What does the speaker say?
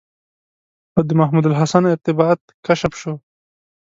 او د محمودالحسن ارتباط کشف شو.